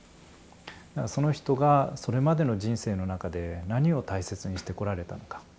だからその人がそれまでの人生の中で何を大切にしてこられたのか。